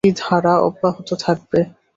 এই ধারা অব্যাহত থাকবে।